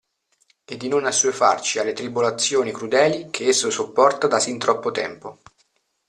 E di non assuefarci alle tribolazioni crudeli, che esso sopporta da sin troppo tempo.